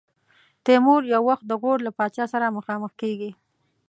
تیمور یو وخت د غور له پاچا سره مخامخ کېږي.